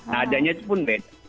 nah adanya pun beda